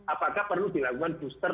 apakah perlu dilakukan booster